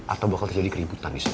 atau bakal jadi keributan disini